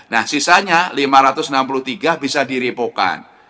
nah sisanya lima ratus enam puluh tiga bisa diripokan